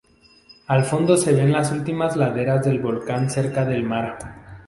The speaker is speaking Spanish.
Al fondo se ven las últimas laderas del volcán cerca del mar.